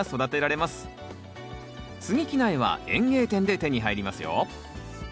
つぎ木苗は園芸店で手に入りますよ。